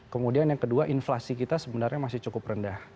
kemudian yang kedua inflasi kita sebenarnya masih cukup rendah